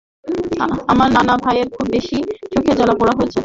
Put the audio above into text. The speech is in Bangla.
আমার নানা ভাইয়ের খুব বেশি চোখে জ্বালা-পোড়া করছে।